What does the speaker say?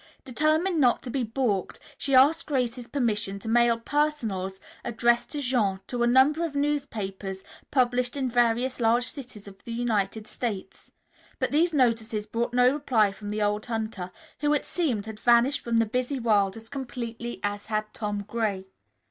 Determined not to be balked, she asked Grace's permission to mail "personals" addressed to Jean to a number of newspapers published in various large cities of the United States. But these notices brought no reply from the old hunter, who, it seemed, had vanished from the busy world as completely as had Tom Gray.